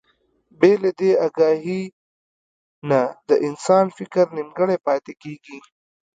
بې له دې اګاهي نه د انسان فکر نيمګړی پاتې کېږي.